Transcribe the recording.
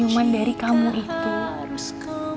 bukan lagi kampusku